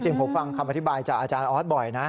ผมฟังคำอธิบายจากอาจารย์ออสบ่อยนะ